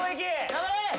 頑張れ！